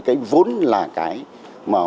cái vốn là cái mà